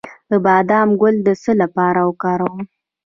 د بادام ګل د څه لپاره وکاروم؟